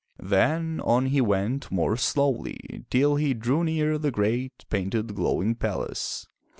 Then on he went more slowly till he drew near the great, painted, glowing palace.